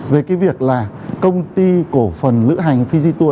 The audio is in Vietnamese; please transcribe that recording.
về cái việc là công ty cổ phần lữ hành fijital